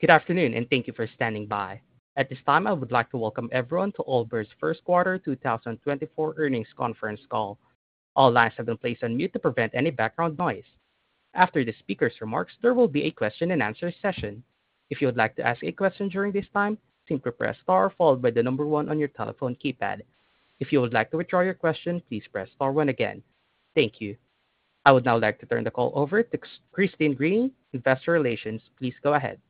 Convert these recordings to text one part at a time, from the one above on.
Good afternoon, and thank you for standing by. At this time, I would like to welcome everyone to Allbirds' First Quarter 2024 Earnings Conference Call. All lines have been placed on mute to prevent any background noise. After the speaker's remarks, there will be a question-and-answer session. If you would like to ask a question during this time, simply press star followed by the number one on your telephone keypad. If you would like to withdraw your question, please press star one again. Thank you. I would now like to turn the call over to Christine Greany, Investor Relations. Please go ahead.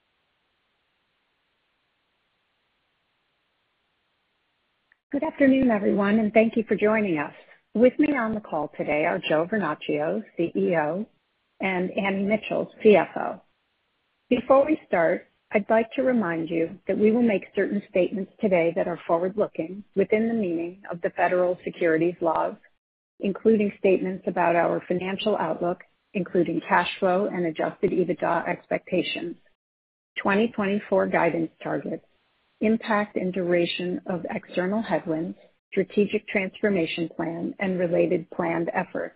Good afternoon, everyone, and thank you for joining us. With me on the call today are Joe Vernachio, CEO, and Annie Mitchell, CFO. Before we start, I'd like to remind you that we will make certain statements today that are forward-looking within the meaning of the federal securities laws, including statements about our financial outlook, including cash flow and adjusted EBITDA expectations, 2024 guidance targets, impact and duration of external headwinds, strategic transformation plan, and related planned efforts,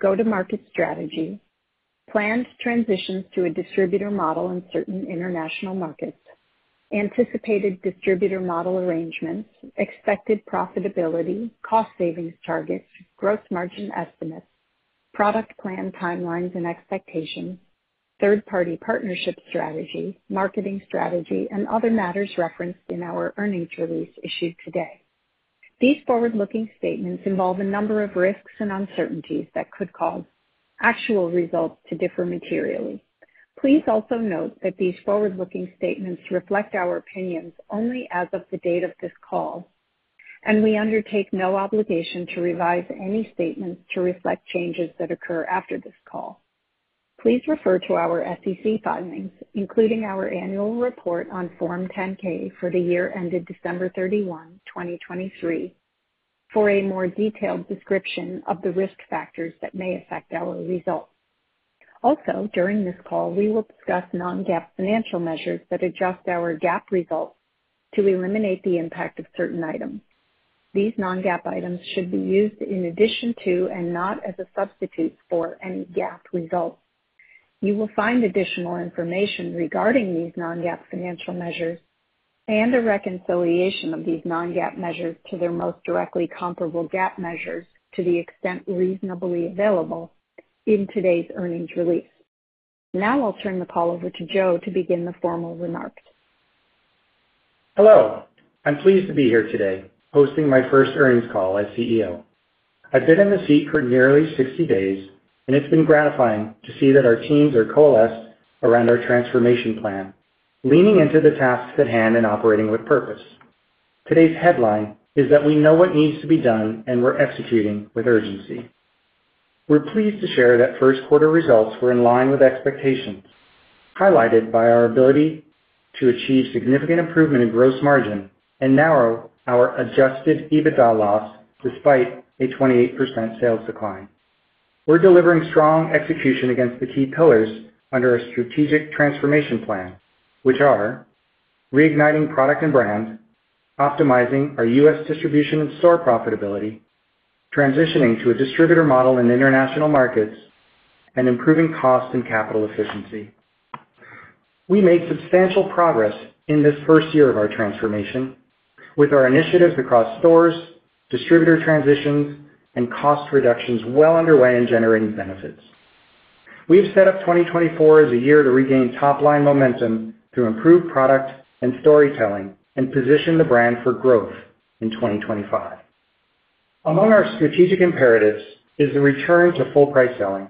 go-to-market strategy, planned transitions to a distributor model in certain international markets, anticipated distributor model arrangements, expected profitability, cost savings targets, gross margin estimates, product plan timelines and expectations, third-party partnership strategy, marketing strategy, and other matters referenced in our earnings release issued today. These forward-looking statements involve a number of risks and uncertainties that could cause actual results to differ materially. Please also note that these forward-looking statements reflect our opinions only as of the date of this call, and we undertake no obligation to revise any statements to reflect changes that occur after this call. Please refer to our SEC filings, including our annual report on Form 10-K for the year ended December 31, 2023, for a more detailed description of the risk factors that may affect our results. Also, during this call, we will discuss non-GAAP financial measures that adjust our GAAP results to eliminate the impact of certain items. These non-GAAP items should be used in addition to, and not as a substitute for, any GAAP results. You will find additional information regarding these non-GAAP financial measures and a reconciliation of these non-GAAP measures to their most directly comparable GAAP measures, to the extent reasonably available, in today's earnings release. Now I'll turn the call over to Joe to begin the formal remarks. Hello, I'm pleased to be here today, hosting my first earnings call as CEO. I've been in the seat for nearly 60 days, and it's been gratifying to see that our teams are coalesced around our transformation plan, leaning into the tasks at hand and operating with purpose. Today's headline is that we know what needs to be done, and we're executing with urgency. We're pleased to share that first quarter results were in line with expectations, highlighted by our ability to achieve significant improvement in gross margin and narrow our adjusted EBITDA loss despite a 28% sales decline. We're delivering strong execution against the key pillars under our strategic transformation plan, which are reigniting product and brand, optimizing our U.S. distribution and store profitability, transitioning to a distributor model in international markets, and improving cost and capital efficiency. We made substantial progress in this first year of our transformation, with our initiatives across stores, distributor transitions, and cost reductions well underway and generating benefits. We've set up 2024 as a year to regain top-line momentum, to improve product and storytelling, and position the brand for growth in 2025. Among our strategic imperatives is the return to full price selling.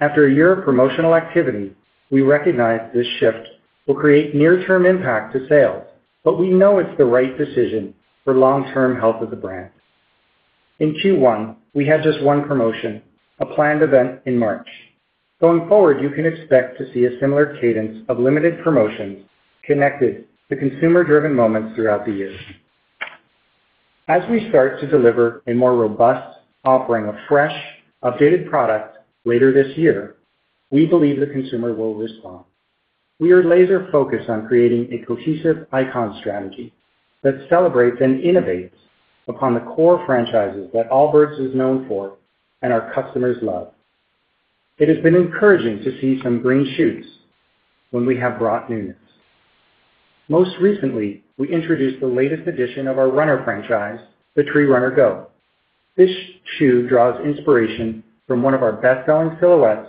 After a year of promotional activity, we recognize this shift will create near-term impact to sales, but we know it's the right decision for long-term health of the brand. In Q1, we had just one promotion, a planned event in March. Going forward, you can expect to see a similar cadence of limited promotions connected to consumer-driven moments throughout the year. As we start to deliver a more robust offering of fresh, updated products later this year, we believe the consumer will respond. We are laser-focused on creating a cohesive icon strategy that celebrates and innovates upon the core franchises that Allbirds is known for and our customers love. It has been encouraging to see some green shoots when we have brought newness. Most recently, we introduced the latest edition of our Runner franchise, the Tree Runner Go. This shoe draws inspiration from one of our best-selling silhouettes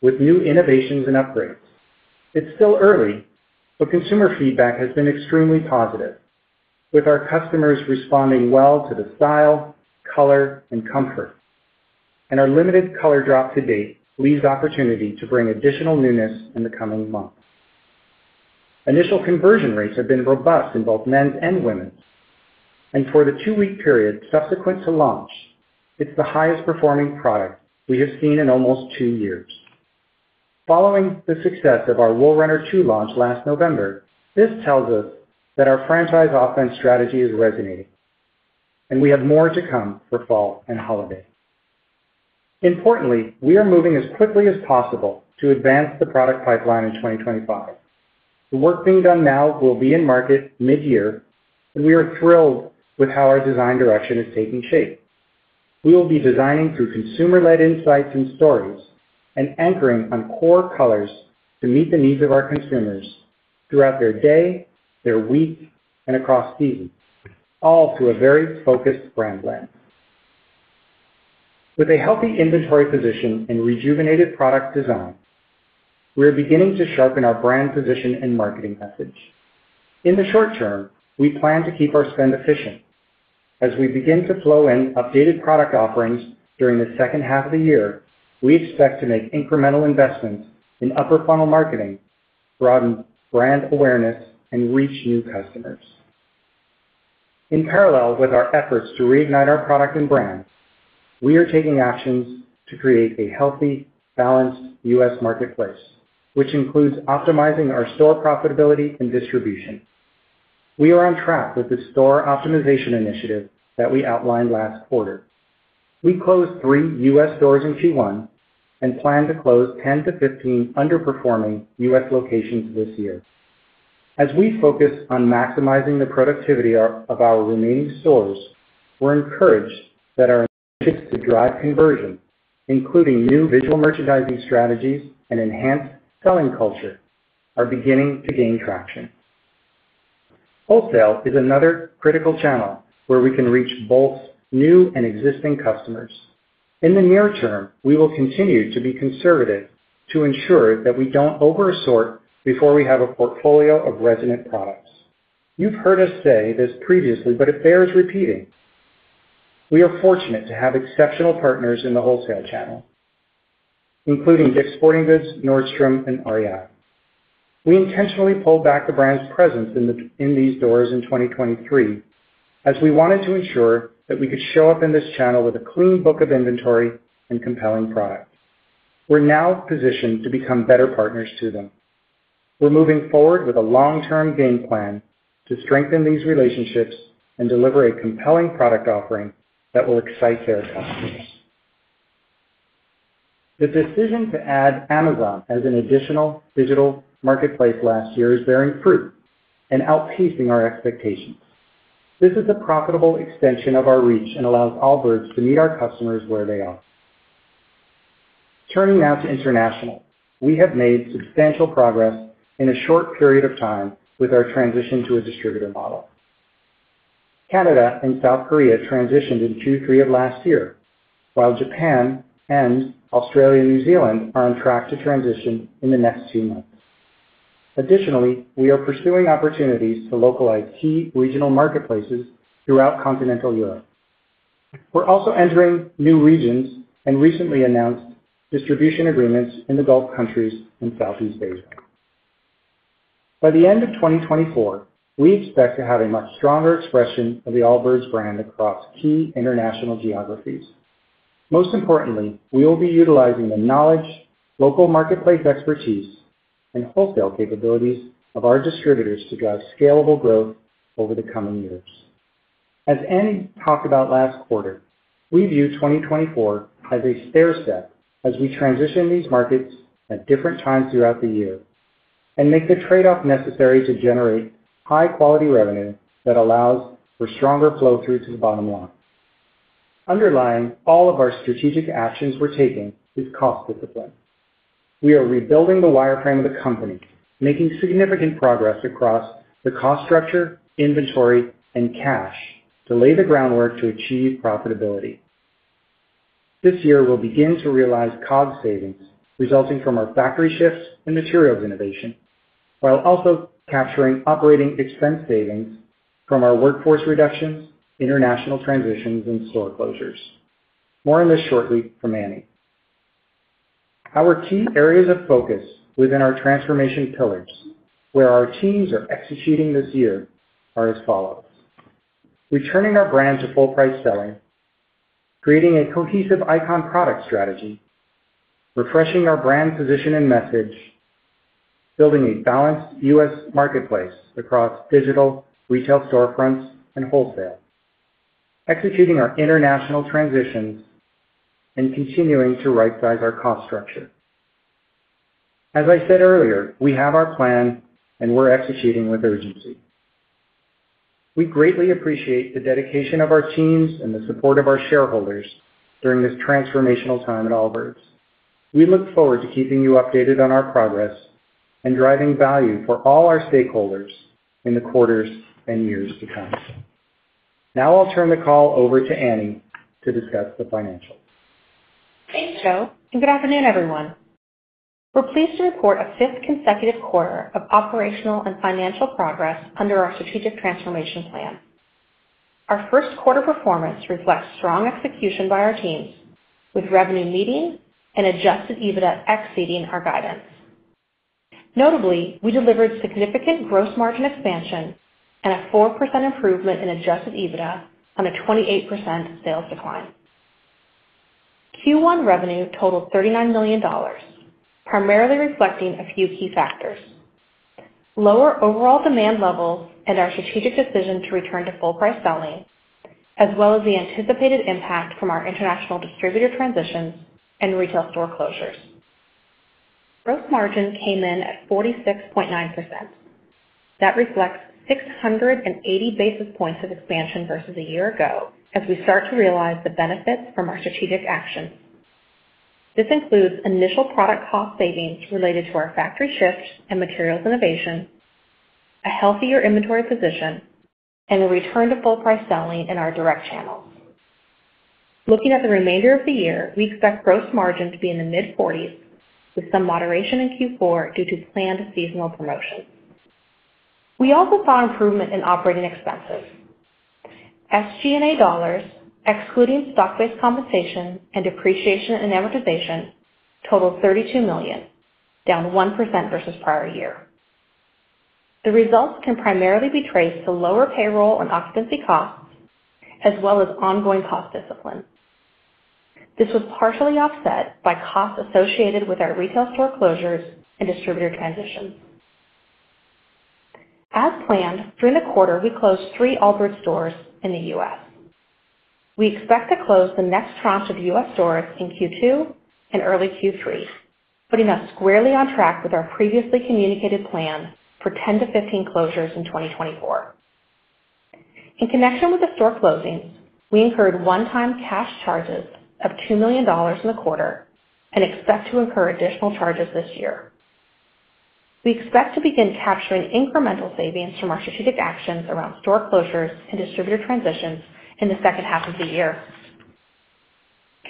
with new innovations and upgrades. It's still early, but consumer feedback has been extremely positive, with our customers responding well to the style, color, and comfort. And our limited color drop to date leaves opportunity to bring additional newness in the coming months. Initial conversion rates have been robust in both men's and women's, and for the two-week period subsequent to launch, it's the highest performing product we have seen in almost two years. Following the success of our Wool Runner 2 launch last November, this tells us that our franchise offense strategy is resonating, and we have more to come for fall and holiday. Importantly, we are moving as quickly as possible to advance the product pipeline in 2025. The work being done now will be in market mid-year, and we are thrilled with how our design direction is taking shape. We will be designing through consumer-led insights and stories and anchoring on core colors to meet the needs of our consumers throughout their day, their week, and across seasons, all through a very focused brand lens. With a healthy inventory position and rejuvenated product design, we are beginning to sharpen our brand position and marketing message. In the short term, we plan to keep our spend efficient. As we begin to flow in updated product offerings during the second half of the year, we expect to make incremental investments in upper funnel marketing, broaden brand awareness, and reach new customers. In parallel with our efforts to reignite our product and brand, we are taking actions to create a healthy, balanced U.S. marketplace, which includes optimizing our store profitability and distribution. We are on track with the store optimization initiative that we outlined last quarter. We closed three U.S. stores in Q1 and plan to close 10-15 underperforming U.S. locations this year. As we focus on maximizing the productivity of our remaining stores, we're encouraged that our initiatives to drive conversion, including new visual merchandising strategies and enhanced selling culture, are beginning to gain traction. Wholesale is another critical channel where we can reach both new and existing customers. In the near term, we will continue to be conservative to ensure that we don't over-assort before we have a portfolio of resonant products. You've heard us say this previously, but it bears repeating. We are fortunate to have exceptional partners in the wholesale channel, including DICK'S Sporting Goods, Nordstrom, and REI. We intentionally pulled back the brand's presence in these stores in 2023, as we wanted to ensure that we could show up in this channel with a clean book of inventory and compelling products. We're now positioned to become better partners to them. We're moving forward with a long-term game plan to strengthen these relationships and deliver a compelling product offering that will excite their customers. The decision to add Amazon as an additional digital marketplace last year is bearing fruit and outpacing our expectations. This is a profitable extension of our reach and allows Allbirds to meet our customers where they are. Turning now to international. We have made substantial progress in a short period of time with our transition to a distributor model. Canada and South Korea transitioned in Q3 of last year, while Japan and Australia, and New Zealand are on track to transition in the next few months. Additionally, we are pursuing opportunities to localize key regional marketplaces throughout Continental Europe. We're also entering new regions and recently announced distribution agreements in the Gulf countries and Southeast Asia. By the end of 2024, we expect to have a much stronger expression of the Allbirds brand across key international geographies. Most importantly, we will be utilizing the knowledge, local marketplace expertise, and wholesale capabilities of our distributors to drive scalable growth over the coming years. As Annie talked about last quarter, we view 2024 as a stairstep as we transition these markets at different times throughout the year and make the trade-off necessary to generate high-quality revenue that allows for stronger flow-through to the bottom line. Underlying all of our strategic actions we're taking is cost discipline. We are rebuilding the wireframe of the company, making significant progress across the cost structure, inventory, and cash to lay the groundwork to achieve profitability. This year, we'll begin to realize COGS savings resulting from our factory shifts and materials innovation, while also capturing operating expense savings from our workforce reductions, international transitions, and store closures. More on this shortly from Annie. Our key areas of focus within our transformation pillars, where our teams are executing this year, are as follows: Returning our brand to full price selling, creating a cohesive icon product strategy, refreshing our brand position and message, building a balanced U.S. marketplace across digital, retail storefronts, and wholesale, executing our international transitions, and continuing to right-size our cost structure. As I said earlier, we have our plan, and we're executing with urgency. We greatly appreciate the dedication of our teams and the support of our shareholders during this transformational time at Allbirds. We look forward to keeping you updated on our progress and driving value for all our stakeholders in the quarters and years to come. Now I'll turn the call over to Annie to discuss the financials. Thanks, Joe, and good afternoon, everyone. We're pleased to report a fifth consecutive quarter of operational and financial progress under our strategic transformation plan. Our first quarter performance reflects strong execution by our teams, with revenue meeting and adjusted EBITDA exceeding our guidance. Notably, we delivered significant gross margin expansion and a 4% improvement in adjusted EBITDA on a 28% sales decline. Q1 revenue totaled $39 million, primarily reflecting a few key factors. Lower overall demand levels and our strategic decision to return to full price selling, as well as the anticipated impact from our international distributor transitions and retail store closures. Gross margin came in at 46.9%. That reflects 680 basis points of expansion versus a year ago, as we start to realize the benefits from our strategic actions. This includes initial product cost savings related to our factory shifts and materials innovation, a healthier inventory position, and a return to full price selling in our direct channels. Looking at the remainder of the year, we expect gross margin to be in the mid-40%s, with some moderation in Q4 due to planned seasonal promotions. We also saw improvement in operating expenses. SG&A dollars, excluding stock-based compensation and depreciation and amortization, totaled $32 million, down 1% versus prior year. The results can primarily be traced to lower payroll and occupancy costs, as well as ongoing cost discipline. This was partially offset by costs associated with our retail store closures and distributor transitions. As planned, during the quarter, we closed three Allbirds stores in the U.S. We expect to close the next tranche of U.S. stores in Q2 and early Q3, putting us squarely on track with our previously communicated plan for 10-15 closures in 2024. In connection with the store closings, we incurred one-time cash charges of $2 million in the quarter and expect to incur additional charges this year. We expect to begin capturing incremental savings from our strategic actions around store closures and distributor transitions in the second half of the year.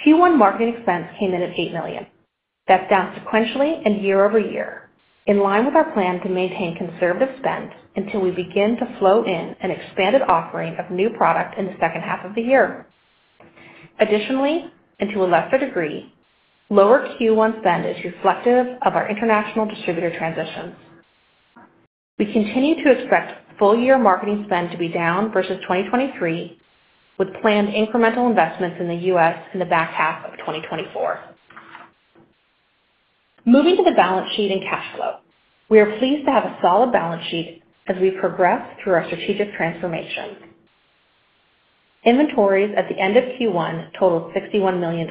Q1 marketing expense came in at $8 million. That's down sequentially and year-over-year, in line with our plan to maintain conservative spend until we begin to flow in an expanded offering of new product in the second half of the year. Additionally, and to a lesser degree, lower Q1 spend is reflective of our international distributor transitions. We continue to expect full year marketing spend to be down versus 2023, with planned incremental investments in the U.S. in the back half of 2024. Moving to the balance sheet and cash flow, we are pleased to have a solid balance sheet as we progress through our strategic transformation. Inventories at the end of Q1 totaled $61 million.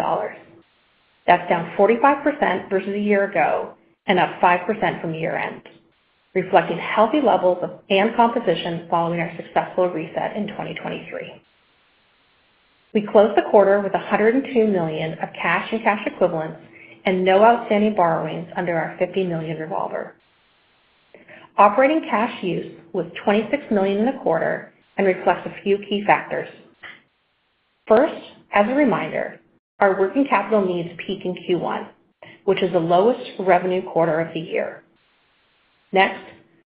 That's down 45% versus a year ago and up 5% from year-end, reflecting healthy levels of inventory composition following our successful reset in 2023. We closed the quarter with $102 million of cash and cash equivalents and no outstanding borrowings under our $50 million revolver. Operating cash use was $26 million in the quarter and reflects a few key factors. First, as a reminder, our working capital needs peak in Q1, which is the lowest revenue quarter of the year. Next,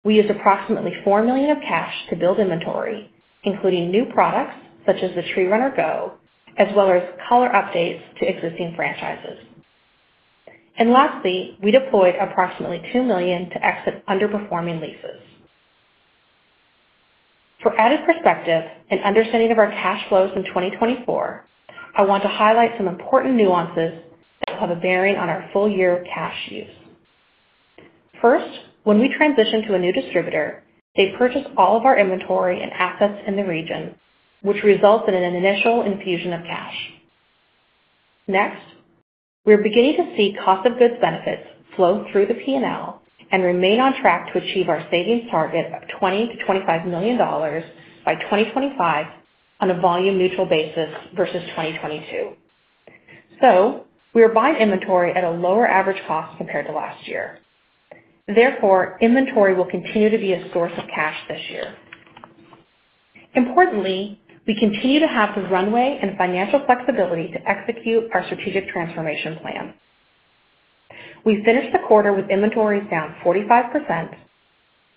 we used approximately $4 million of cash to build inventory, including new products such as the Tree Runner Go, as well as color updates to existing franchises. Lastly, we deployed approximately $2 million to exit underperforming leases. For added perspective and understanding of our cash flows in 2024, I want to highlight some important nuances that will have a bearing on our full year cash use. First, when we transition to a new distributor, they purchase all of our inventory and assets in the region, which results in an initial infusion of cash. Next, we are beginning to see cost of goods benefits flow through the P&L and remain on track to achieve our savings target of $20 million-$25 million by 2025 on a volume neutral basis versus 2022. We are buying inventory at a lower average cost compared to last year. Therefore, inventory will continue to be a source of cash this year. Importantly, we continue to have the runway and financial flexibility to execute our strategic transformation plan. We finished the quarter with inventories down 45%,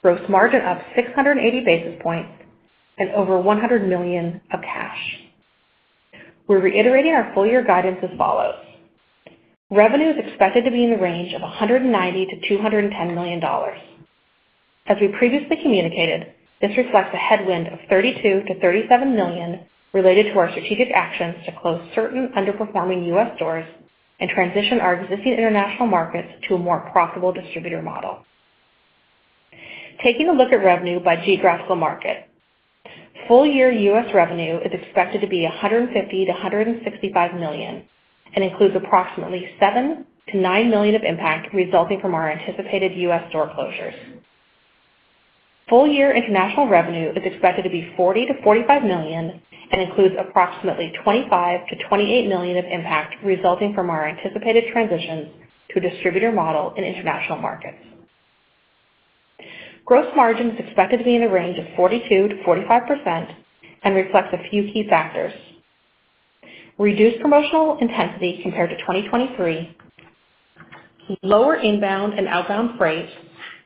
gross margin up 680 basis points, and over $100 million of cash. We're reiterating our full year guidance as follows: Revenue is expected to be in the range of $190 million-$210 million. As we previously communicated, this reflects a headwind of $32 million-$37 million related to our strategic actions to close certain underperforming U.S. stores and transition our existing international markets to a more profitable distributor model. Taking a look at revenue by geographical market. Full year U.S. revenue is expected to be $150 million-$165 million and includes approximately $7 million-$9 million of impact resulting from our anticipated U.S. store closures. Full year international revenue is expected to be $40 million-$45 million and includes approximately $25 million-$28 million of impact resulting from our anticipated transition to a distributor model in international markets. Gross margin is expected to be in the range of 42%-45% and reflects a few key factors. Reduced promotional intensity compared to 2023, lower inbound and outbound freight,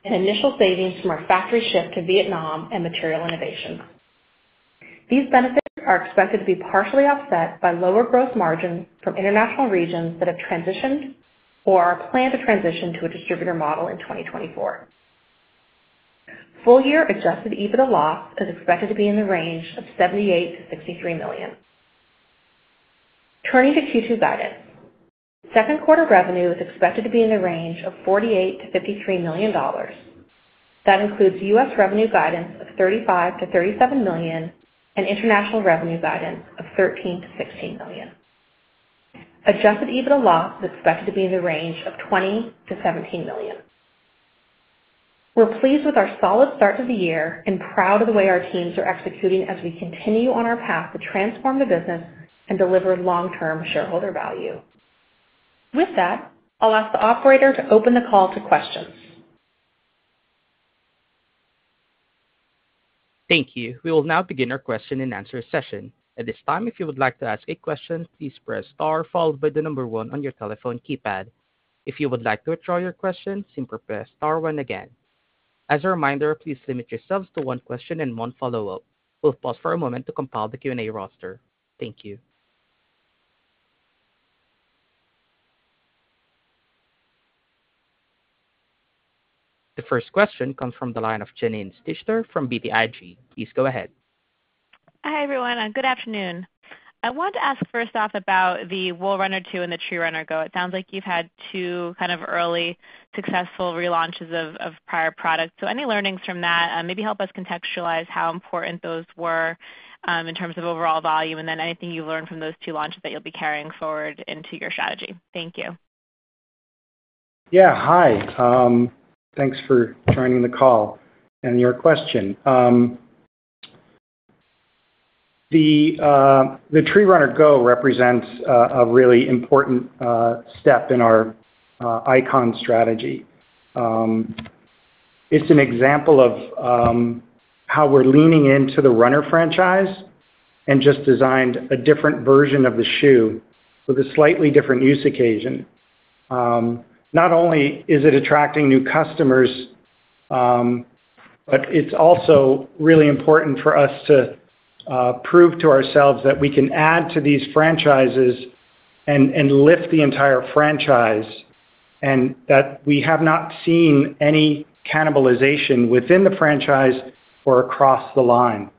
and initial savings from our factory shift to Vietnam and material innovation. These benefits are expected to be partially offset by lower gross margin from international regions that have transitioned or are planned to transition to a distributor model in 2024. Full-year adjusted EBITDA loss is expected to be in the range of $78 million-$63 million. Turning to Q2 guidance. Second quarter revenue is expected to be in the range of $48 million-$53 million. That includes U.S. revenue guidance of $35 million-$37 million, and international revenue guidance of $13 million-$16 million. Adjusted EBITDA loss is expected to be in the range of $20 million-$17 million. We're pleased with our solid start to the year and proud of the way our teams are executing as we continue on our path to transform the business and deliver long-term shareholder value. With that, I'll ask the operator to open the call to questions. Thank you. We will now begin our question-and-answer session. At this time, if you would like to ask a question, please press star, followed by the number one on your telephone keypad. If you would like to withdraw your question, simply press star one again. As a reminder, please limit yourselves to one question and one follow-up. We'll pause for a moment to compile the Q&A roster. Thank you. The first question comes from the line of Janine Stichter from BTIG. Please go ahead. Hi, everyone, and good afternoon. I wanted to ask first off about the Wool Runner 2 and the Tree Runner Go. It sounds like you've had two kind of early successful relaunches of, of prior products. So any learnings from that? Maybe help us contextualize how important those were, in terms of overall volume, and then anything you've learned from those two launches that you'll be carrying forward into your strategy. Thank you. Yeah. Hi. Thanks for joining the call and your question. The Tree Runner Go represents a really important step in our icon strategy. It's an example of how we're leaning into the Runner franchise and just designed a different version of the shoe with a slightly different use occasion. Not only is it attracting new customers, but it's also really important for us to prove to ourselves that we can add to these franchises and lift the entire franchise, and that we have not seen any cannibalization within the franchise or across the line.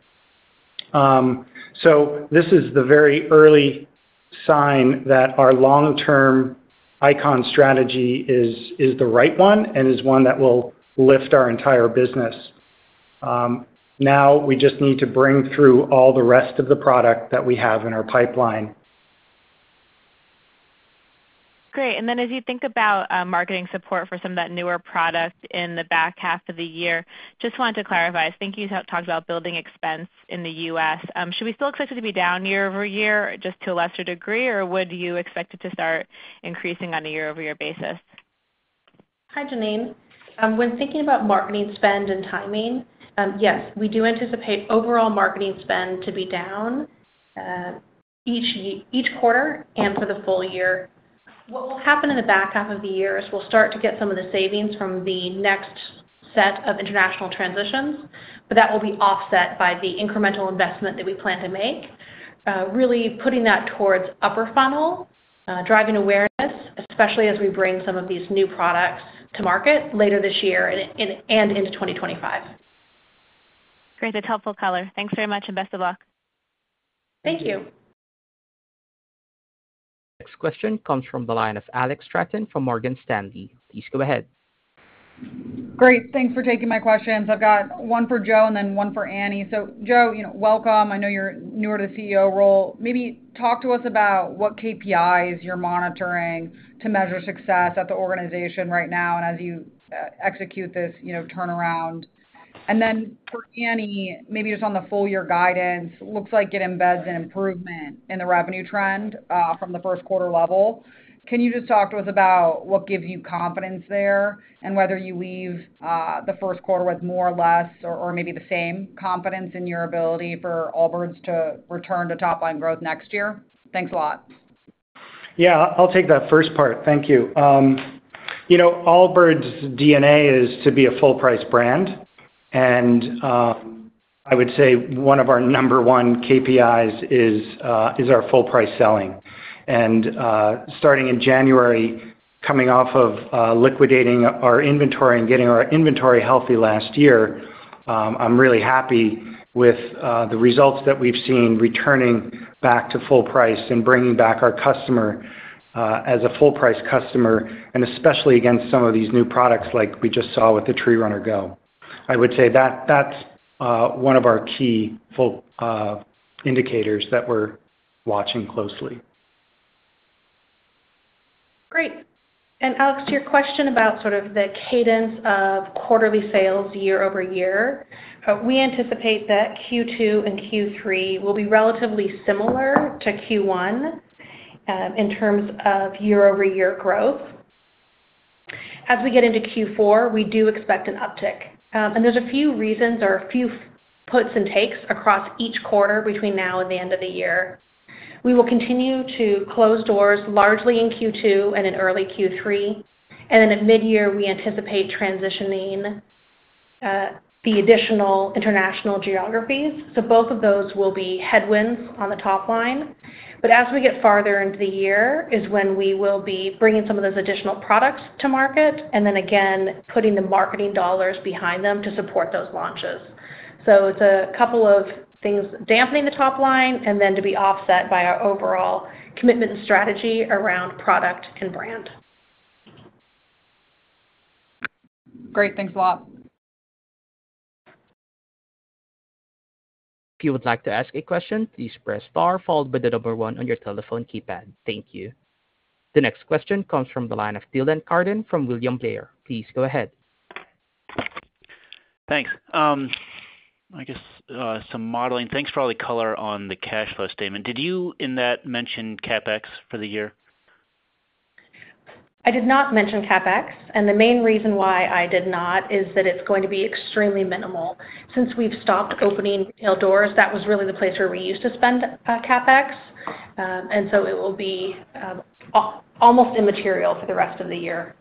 So this is the very early sign that our long-term icon strategy is the right one and is one that will lift our entire business. Now we just need to bring through all the rest of the product that we have in our pipeline. Great. And then as you think about, marketing support for some of that newer product in the back half of the year, just wanted to clarify. I think you talked about building expense in the U.S. Should we still expect it to be down year-over-year, just to a lesser degree, or would you expect it to start increasing on a year-over-year basis? Hi, Janine. When thinking about marketing spend and timing, yes, we do anticipate overall marketing spend to be down each quarter and for the full year. What will happen in the back half of the year is we'll start to get some of the savings from the next set of international transitions, but that will be offset by the incremental investment that we plan to make. Really putting that towards upper funnel, driving awareness, especially as we bring some of these new products to market later this year and, and, and into 2025. Great. That's helpful color. Thanks very much, and best of luck. Thank you. Next question comes from the line of Alex Straton from Morgan Stanley. Please go ahead. Great. Thanks for taking my questions. I've got one for Joe and then one for Annie. So Joe, you know, welcome. I know you're newer to CEO role. Maybe talk to us about what KPIs you're monitoring to measure success at the organization right now and as you execute this, you know, turnaround. And then for Annie, maybe just on the full year guidance, looks like it embeds an improvement in the revenue trend from the first quarter level. Can you just talk to us about what gives you confidence there? And whether you leave the first quarter with more or less, or maybe the same confidence in your ability for Allbirds to return to top line growth next year? Thanks a lot. Yeah, I'll take that first part. Thank you. You know, Allbirds' DNA is to be a full price brand, and I would say one of our number one KPIs is our full price selling. Starting in January, coming off of liquidating our inventory and getting our inventory healthy last year, I'm really happy with the results that we've seen returning back to full price and bringing back our customer as a full price customer, and especially against some of these new products like we just saw with the Tree Runner Go. I would say that that's one of our key full indicators that we're watching closely. Great. And Alex, to your question about sort of the cadence of quarterly sales year-over-year, we anticipate that Q2 and Q3 will be relatively similar to Q1, in terms of year-over-year growth. As we get into Q4, we do expect an uptick. And there's a few reasons or a few puts and takes across each quarter between now and the end of the year. We will continue to close doors largely in Q2 and in early Q3, and then at midyear, we anticipate transitioning the additional international geographies. So both of those will be headwinds on the top line. But as we get farther into the year is when we will be bringing some of those additional products to market, and then again, putting the marketing dollars behind them to support those launches. It's a couple of things dampening the top line, and then to be offset by our overall commitment and strategy around product and brand. Great. Thanks a lot. If you would like to ask a question, please press star followed by the number one on your telephone keypad. Thank you. The next question comes from the line of Dylan Carden from William Blair. Please go ahead. Thanks. I guess, some modeling. Thanks for all the color on the cash flow statement. Did you in that mention CapEx for the year? I did not mention CapEx, and the main reason why I did not is that it's going to be extremely minimal. Since we've stopped opening retail doors, that was really the place where we used to spend CapEx. And so it will be almost immaterial for the rest of the year.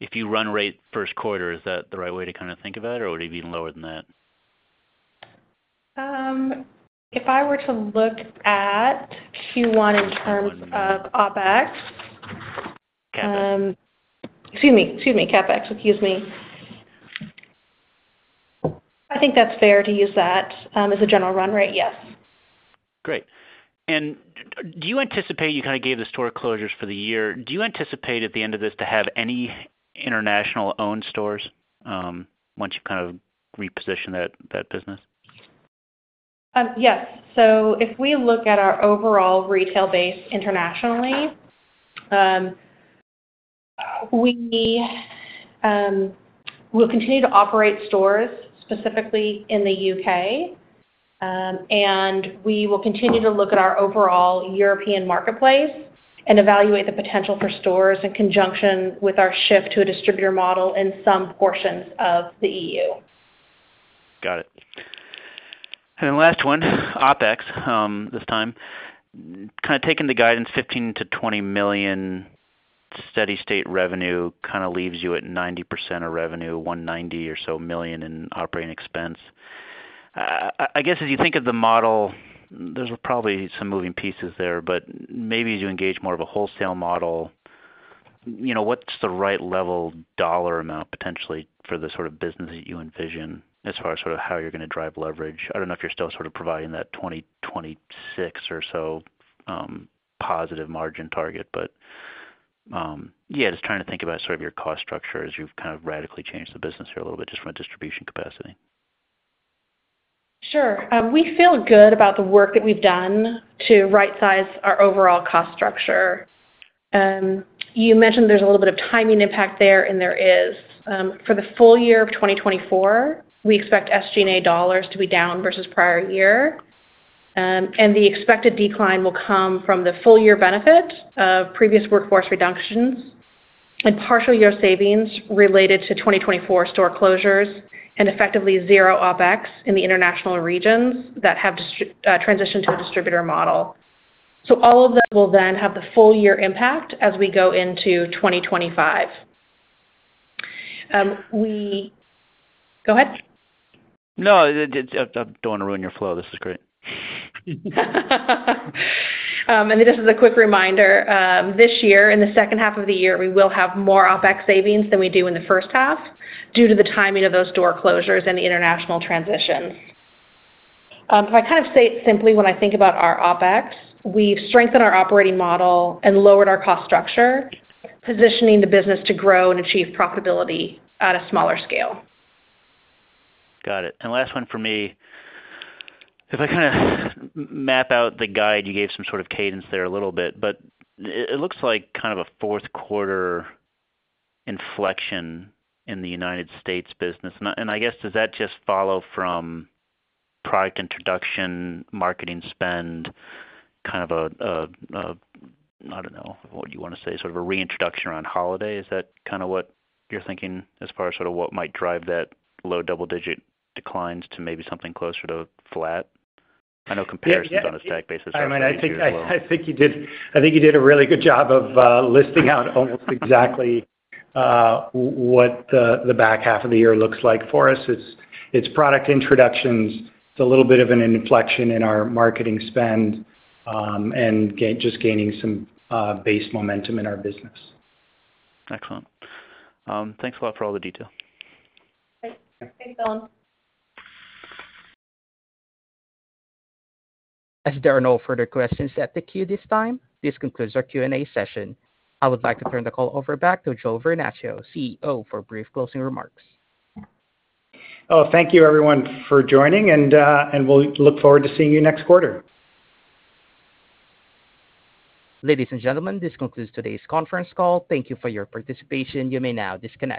If you run rate first quarter, is that the right way to kind of think about it, or would it be even lower than that? If I were to look at Q1 in terms of OpEx, excuse me, CapEx. Excuse me. I think that's fair to use that as a general run rate. Yes. Great. And do you anticipate, you kind of gave the store closures for the year. Do you anticipate, at the end of this, to have any international owned stores once you've kind of repositioned that, that business? Yes. So if we look at our overall retail base internationally, we, we'll continue to operate stores, specifically in the U.K. And we will continue to look at our overall European marketplace and evaluate the potential for stores in conjunction with our shift to a distributor model in some portions of the E.U. Got it. And last one, OpEx, this time. Kind of taking the guidance, $15 million-$20 million steady state revenue kind of leaves you at 90% of revenue, $190 or so million in operating expense. I guess, as you think of the model, there's probably some moving pieces there, but maybe as you engage more of a wholesale model, you know, what's the right level dollar amount potentially for the sort of business that you envision as far as sort of how you're gonna drive leverage? I don't know if you're still sort of providing that 2026 or so positive margin target. But, yeah, just trying to think about sort of your cost structure as you've kind of radically changed the business here a little bit just from a distribution capacity. Sure. We feel good about the work that we've done to right-size our overall cost structure. You mentioned there's a little bit of timing impact there, and there is. For the full year of 2024, we expect SG&A dollars to be down versus prior year. And the expected decline will come from the full year benefit of previous workforce reductions and partial year savings related to 2024 store closures, and effectively zero OpEx in the international regions that have transitioned to a distributor model. So all of that will then have the full year impact as we go into 2025. We... Go ahead. No, I don't want to ruin your flow. This is great. And this is a quick reminder, this year, in the second half of the year, we will have more OpEx savings than we do in the first half due to the timing of those door closures and the international transitions. If I kind of say it simply, when I think about our OpEx, we've strengthened our operating model and lowered our cost structure, positioning the business to grow and achieve profitability at a smaller scale. Got it. Last one for me. If I kind of map out the guide, you gave some sort of cadence there a little bit, but it looks like kind of a fourth quarter inflection in the United States business. And I guess, does that just follow from product introduction, marketing spend, kind of a, I don't know, what do you want to say? Sort of a reintroduction around holiday. Is that kind of what you're thinking as far as sort of what might drive that low double digit declines to maybe something closer to flat? I know comparisons on a stack basis are pretty low. I think you did a really good job of listing out almost exactly what the back half of the year looks like for us. It's product introductions. It's a little bit of an inflection in our marketing spend, and just gaining some base momentum in our business. Excellent. Thanks a lot for all the detail. Thanks, Dylan. As there are no further questions at the queue this time, this concludes our Q&A session. I would like to turn the call over back to Joe Vernachio, CEO, for brief closing remarks. Oh, thank you, everyone, for joining, and we'll look forward to seeing you next quarter. Ladies and gentlemen, this concludes today's conference call. Thank you for your participation. You may now disconnect.